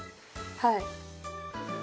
はい。